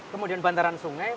kemudian bantaran sungai